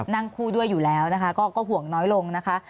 นั่งคู่ด้วยอยู่แล้วนะคะก็ห่วงน้อยลงนะคะ